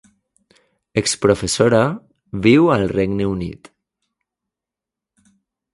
Exprofessora, viu al Regne Unit.